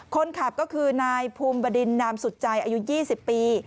คนขับก็คือนายภูมิบดินนามสุดใจอายุ๒๐ปี